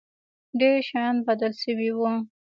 ډېر شيان بدل سوي وو.